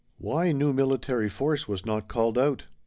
Why new military force was not called out?